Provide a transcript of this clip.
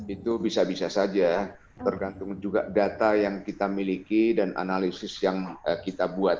itu bisa bisa saja tergantung juga data yang kita miliki dan analisis yang kita buat